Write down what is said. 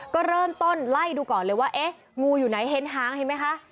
ก็เริ่มต้นไล่ดูก่อนเลยว่าเอ๊ะงูอยู่ไหนเห็นหางเห็นไหมคะ